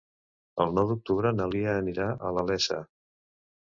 El nou d'octubre na Lia anirà a la Iessa.